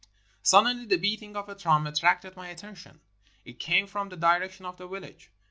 Sud denly the beating of a drum attracted my attention. It came from the direction of the village.